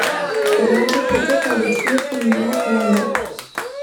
Elle est interprétée par le trio féminin Elaiza.